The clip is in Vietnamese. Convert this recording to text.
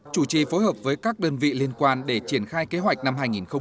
chủ trì phối hợp với các đơn vị liên quan để triển khai kế hoạch năm hai nghìn hai mươi